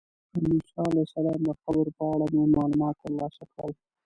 د موسی علیه السلام د قبر په اړه مې معلومات ترلاسه کړل.